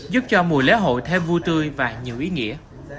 giúp cho mùa lễ hội thêm vui tươi và nhiều ý nghĩa